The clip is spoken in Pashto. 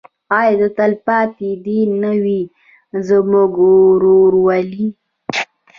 آیا تلپاتې دې نه وي زموږ ورورولي؟